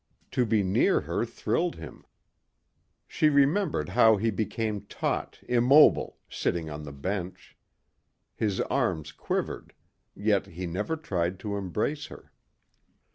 To be near her thrilled him. She remembered how he became taut, immobile, sitting on the bench. His arms quivered. Yet he never tried to embrace her.